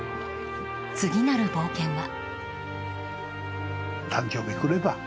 次なる冒険は。